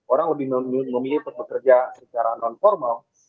orang lebih memilih bekerja secara non formal